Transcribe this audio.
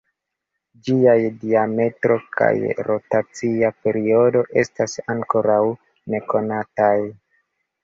Ĝiaj diametro kaj rotacia periodo estas ankoraŭ nekonataj.